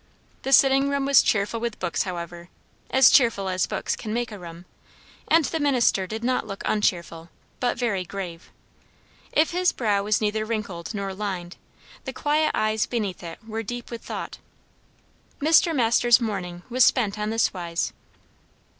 The sitting room was cheerful with books, however as cheerful as books can make a room; and the minister did not look uncheerful, but very grave. If his brow was neither wrinkled nor lined, the quiet eyes beneath it were deep with thought. Mr. Masters' morning was spent on this wise.